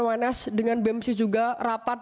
ons dengan bmc juga rapat